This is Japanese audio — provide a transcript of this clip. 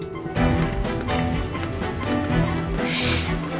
・よし。